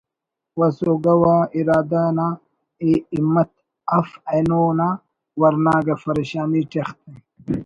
و سوگو آ ارادہ نا ءِ ہمت اف اینو نا ورنا اگہ فریشانی ٹی اختہ